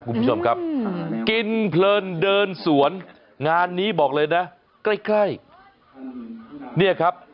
คุณผู้ชมครับกินเพลินเดินสวนงานนี้บอกเลยนะใกล้ใกล้เนี่ยครับ